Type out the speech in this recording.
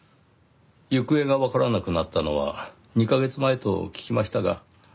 行方がわからなくなったのは２カ月前と聞きましたが。